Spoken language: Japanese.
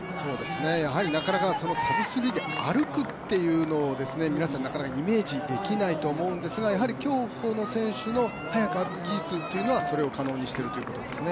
やはりなかなかサブスリーで歩くというのが皆さん、なかなかイメージできないと思うんですが競歩の選手の早さの技術は、それを可能にしてますね。